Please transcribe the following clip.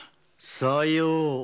さよう。